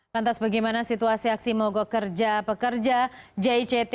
lantas bagaimana situasi aksi mogok kerja pekerja jict